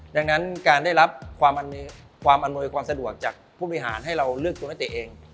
ดังนั้นการได้รับความอำนวยความสะดวกจากผู้บริหารให้เราเลือกตัวนักเตะเอง